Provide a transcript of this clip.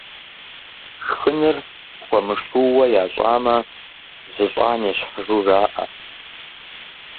Шхыныр хуэмышууэ ящӀамэ, зыщӀам ещхьыжу жаӀэ.